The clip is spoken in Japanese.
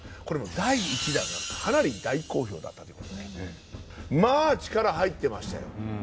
これもう第１弾がかなり大好評だったということでまぁ力入ってましたよ。